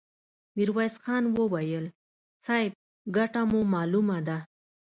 ميرويس خان وويل: صيب! ګټه مو مالومه ده!